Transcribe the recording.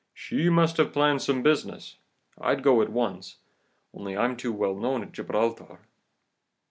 She must have planned some business. I'd go at once, only I'm too well known at Gibraltar.